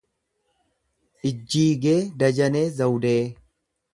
Ijjiigee Dajanee Zawudee